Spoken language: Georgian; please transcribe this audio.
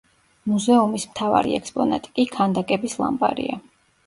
მუზეუმის მთავარი ექსპონატი, კი ქანდაკების ლამპარია.